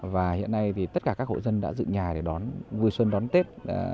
và hiện nay thì tất cả các hộ dân đã dựng nhà để đón vui xuân đón tết